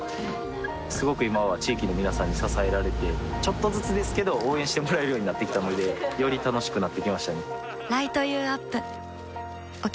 すごく今は地域の皆さんに支えられてちょっとずつですけど応援してもらえるようになってきたのでより楽しくなってきましたね